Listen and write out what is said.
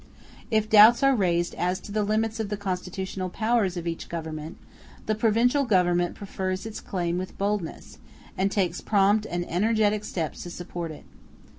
If doubts are raised as to the limits of the constitutional powers of each government, the provincial government prefers its claim with boldness, and takes prompt and energetic steps to support it.